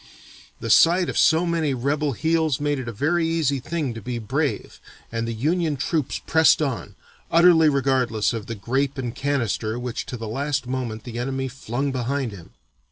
The sight of so many rebel heels made it a very easy thing to be brave, and the Union troops pressed on, utterly regardless of the grape and canister which to the last moment the enemy flung behind him.